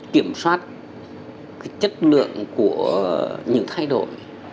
kiểm soát chất lượng của những thay đổi